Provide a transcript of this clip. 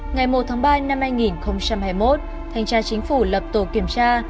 ngày một tháng ba năm hai nghìn hai mươi một thanh tra chính phủ lập tổ kiểm tra